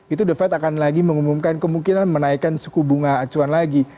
itu the fed akan lagi mengumumkan kemungkinan menaikkan suku bunga acuan lagi